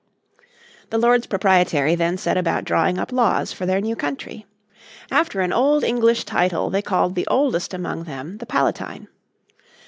The Lords Proprietary then set about drawing up laws for their new country. After an old English title they called the oldest among them the Palatine.